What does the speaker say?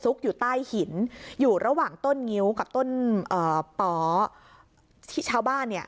อยู่ใต้หินอยู่ระหว่างต้นงิ้วกับต้นเอ่อป๋อที่ชาวบ้านเนี่ย